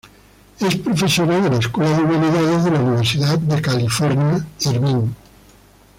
Es profesora de la Escuela de Humanidades de la Universidad de California, Irvine.